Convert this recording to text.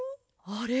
あれ？